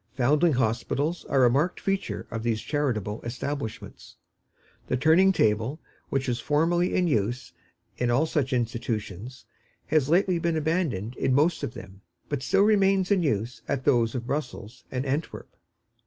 Foundling hospitals are a marked feature of these charitable establishments. The turning table, which was formerly in use in all such institutions, has lately been abandoned in most of them, but still remains in use at those of Brussels and Antwerp.